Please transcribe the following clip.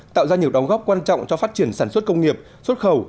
tạo ra nhiều đóng góp quan trọng cho phát triển sản xuất công nghiệp xuất khẩu